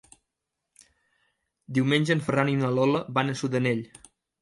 Diumenge en Ferran i na Lola van a Sudanell.